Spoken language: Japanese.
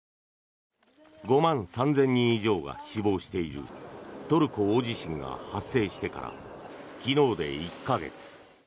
５万３０００人以上が死亡しているトルコ大地震が発生してから昨日で１か月。